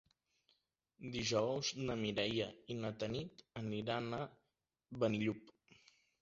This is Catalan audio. Dijous na Mireia i na Tanit aniran a Benillup.